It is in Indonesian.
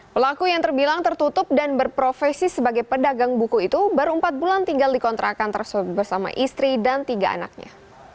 pelaku yang terbilang tertutup dan berprofesi sebagai pedagang buku itu baru empat bulan tinggal di kontrakan bersama istri dan tiga anaknya